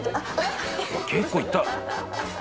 「結構いった」